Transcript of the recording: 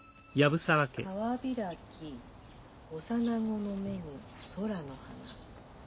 「川開き幼な児の目に空の花」。